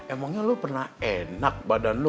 emangnya lu pernah enak badan lu